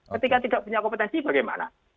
ketika tidak punya kompetensi bagaimana